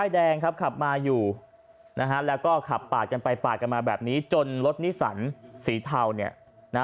แดงครับขับมาอยู่นะฮะแล้วก็ขับปาดกันไปปาดกันมาแบบนี้จนรถนิสันสีเทาเนี่ยนะ